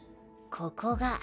ここが。